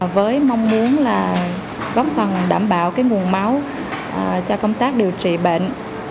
với mong muốn là góp phần đảm bảo nguồn máu cho công tác điều trị bệnh